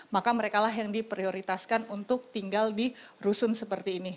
maka merekalah yang diprioritaskan untuk tinggal di rusun seperti ini